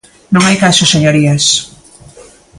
Non hai caso, señorías.